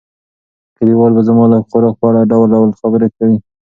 کلیوال به زما د لږ خوراک په اړه ډول ډول خبرې کوي.